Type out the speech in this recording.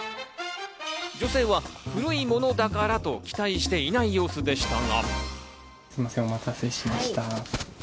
女性は古いものだからと期待していない様子でしたが。